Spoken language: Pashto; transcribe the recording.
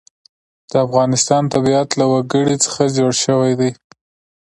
د افغانستان طبیعت له وګړي څخه جوړ شوی دی.